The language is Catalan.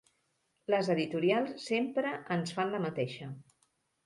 Les editorials sempre ens fan la mateixa.